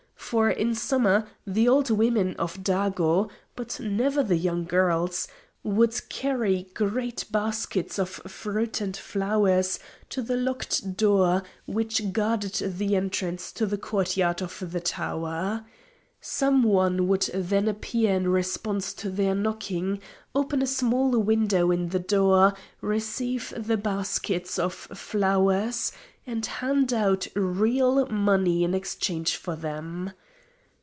For, in summer, the old women of Dago (but never the young girls) would carry great baskets of fruit and flowers to the locked door which guarded the entrance to the courtyard of the tower. Some one would then appear in response to their knocking, open a small window in the door, receive the baskets of flowers, and hand out real money in exchange for them.